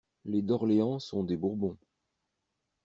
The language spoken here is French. Les d'Orléans sont des Bourbons.